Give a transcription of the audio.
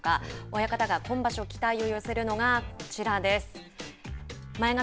親方が今場所期待を寄せるのがこちらです。